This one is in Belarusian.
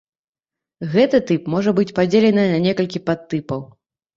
Гэты тып можа быць падзелены на некалькі падтыпаў.